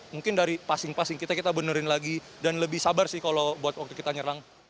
mungkin dari passing passing kita kita benerin lagi dan lebih sabar sih kalau buat waktu kita nyerang